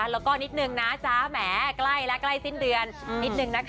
แล้วก็นิดหนึ่งนะจ๊ะแหม่ใกล้และใกล้สิ้นเดือน